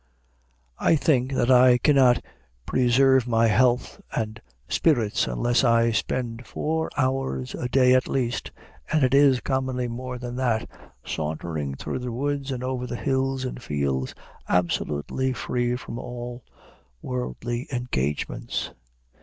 I think that I cannot preserve my health and spirits, unless I spend four hours a day at least, and it is commonly more than that, sauntering through the woods and over the hills and fields, absolutely free from all worldly engagements.